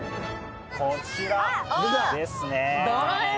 こちらですね。